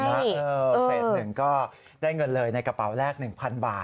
เฟส๑ก็ได้เงินเลยในกระเป๋าแรก๑๐๐บาท